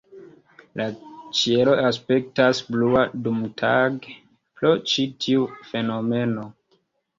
La ĉielo aspektas blua dumtage pro ĉi tiu fenomeno.